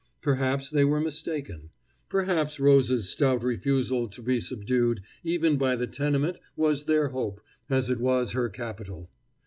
Perhaps they were mistaken. Perhaps Rose's stout refusal to be subdued even by the tenement was their hope, as it was her capital.